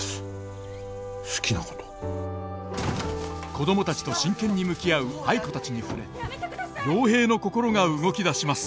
子供たちと真剣に向き合う藍子たちに触れ陽平の心が動き出します。